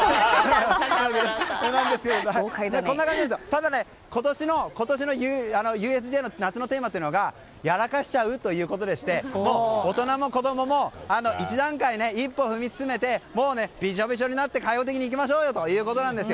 ただ、今年のＵＳＪの夏のテーマというのがやらかしちゃう？ということで大人も子供も一段階、一歩踏み進めてもうびしょびしょになって開放的にいきましょうよということです。